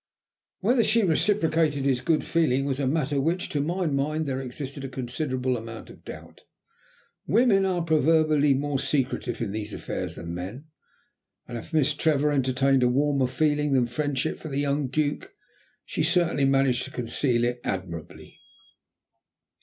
Whether she reciprocated his good feeling was a matter which, to my mind, there existed a considerable amount of doubt. Women are proverbially more secretive in these affairs than men, and if Miss Trevor entertained a warmer feeling than friendship for the young Duke, she certainly managed to conceal it admirably.